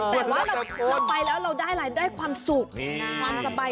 แต่ว่าเราไปแล้วเราได้รายได้ความสุขความสบาย